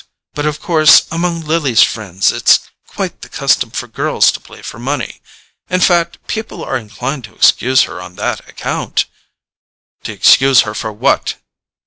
But, of course, among Lily's friends it's quite the custom for girls to play for money. In fact, people are inclined to excuse her on that account——" "To excuse her for what?"